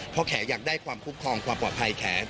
เพราะแขอยากได้ความคุ้มครองความปลอดภัยแข